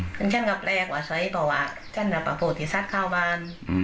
เพราะฉันก็แปลกว่าชัยบอกว่าฉันจะประโปรติศัตริย์ข้าวบ้านอืม